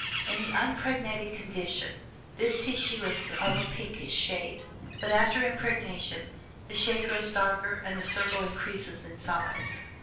In the unimpregnated condition this tissue is of a pinkish shade; but after impregnation the shade grows darker and the circle increases in size.